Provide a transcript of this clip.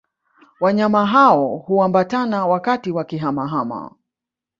Wanyama hao huambatana wakati wa kihama hama